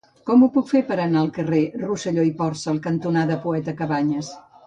Com ho puc fer per anar al carrer Rosselló i Porcel cantonada Poeta Cabanyes?